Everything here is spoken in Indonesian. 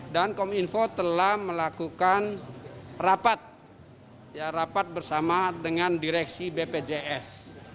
dan kominfo telah melakukan rapat rapat bersama dengan direksi bpjs